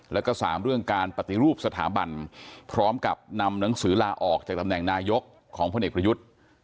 แล้วก็๓เรื่องการปฏิรูปสถาบันพร้อมกับนำหนังสือลาออกจากตำแหน่งนายกของพลเอกประยุทธ์